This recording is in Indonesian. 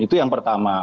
itu yang pertama